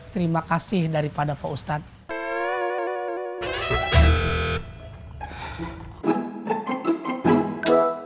terima kasih daripada pak ustadz